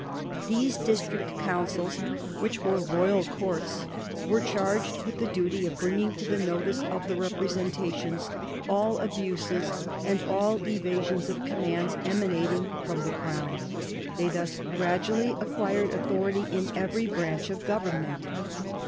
These District Councils, which were royal courts, were charged with the duty of bringing to the notice of the Representations all abuses, and all evasions of commands emanating from the crown. They thus gradually acquired authority in every branch of government.